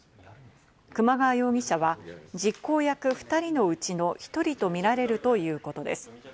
熊川容疑者は実行役２人のうちの１人と見られるということです。